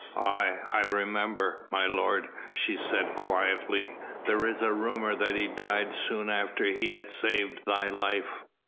"Aye! I remember, my lord," she said quietly, "there is a rumour that he died soon after he had saved thy life."